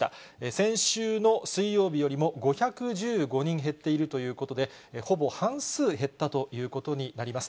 先週の水曜日よりも５１５人減っているということで、ほぼ半数減ったということになります。